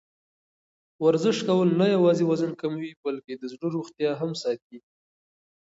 ورزش کول نه یوازې وزن کموي، بلکې د زړه روغتیا هم ساتي.